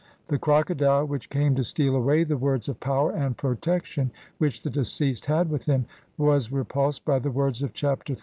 The crocodile, which came to steal away the words of power and protection which the deceased had with him, was repulsed by the words of Chapter XXXI.